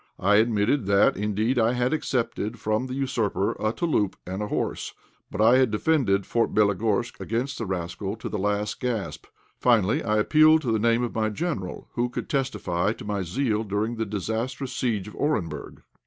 I admitted that, indeed, I had accepted from the usurper a "touloup" and a horse; but I had defended Fort Bélogorsk against the rascal to the last gasp. Finally I appealed to the name of my General, who could testify to my zeal during the disastrous siege of Orenburg.